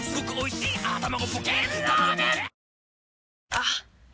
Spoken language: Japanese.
あっ！